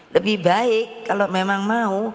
lebih baik kalau memang mau